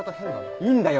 いいんだよ